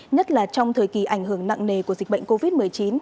nhất là trong thời kỳ ảnh hưởng nặng nề của dịch bệnh covid một mươi chín